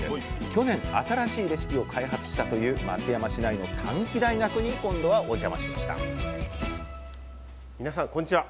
去年新しいレシピを開発したという松山市内の短期大学に今度はお邪魔しました皆さんこんにちは。